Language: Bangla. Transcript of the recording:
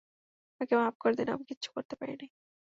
আমাকে মাফ করে দিন, আমি কিচ্ছু করতে পারিনি।